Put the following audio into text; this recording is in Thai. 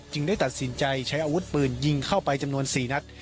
ได้ตัดสินใจใช้อาวุธปืนยิงเข้าไปจำนวน๔นัด